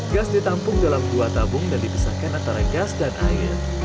gas ditampung dalam dua tabung dan dibesarkan dengan kelangkaan gas alam ini